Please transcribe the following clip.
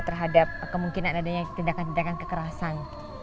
terhadap kemungkinan adanya tindakan tindakan kekerasan